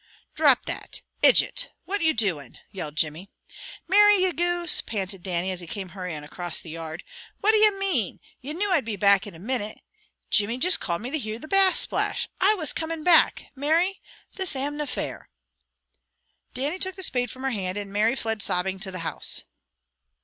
"Drop that! Idjit! What you doing?" yelled Jimmy. "Mary, ye goose!" panted Dannie, as he came hurrying across the yard. "Wha' do ye mean? Ye knew I'd be back in a minute! Jimmy juist called me to hear the Bass splash. I was comin' back. Mary, this amna fair." Dannie took the spade from her hand, and Mary fled sobbing to the house.